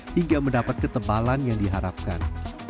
hingga mendapat ketebalan yang diharapkan